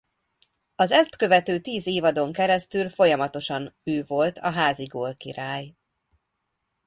Az ezt követő tíz évadon keresztül folyamatosan ő volt a házi gólkirály.